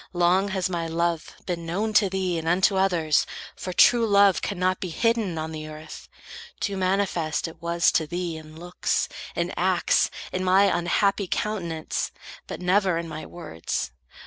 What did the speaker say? Long has my love Been known to thee, and unto others, for True love cannot be hidden on the earth. Too manifest it was to thee, in looks, In acts, in my unhappy countenance, But never in my words.